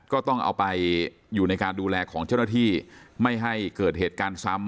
ก็ต้องเอาไปอยู่ในการดูแลของเจ้าหน้าที่ไม่ให้เกิดเหตุการณ์ซ้ำ